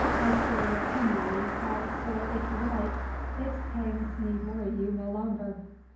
As for your penury, why, sir, if you like, its pangs need worry you no longer."